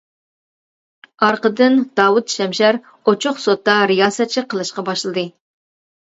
ئارقىدىن داۋۇت شەمشەر ئوچۇق سوتقا رىياسەتچىلىك قىلىشقا باشلىدى.